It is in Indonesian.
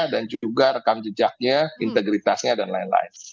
dan juga rekam jejaknya integritasnya dan lain lain